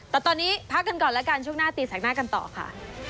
แต่ตอนนี้พักกันก่อนแล้วกันช่วงหน้าตีแสกหน้ากันต่อค่ะ